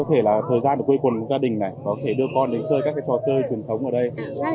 mong muốn là như có thể là thời gian cuối cùng gia đình này có thể đưa con đến chơi các trò chơi truyền thống ở đây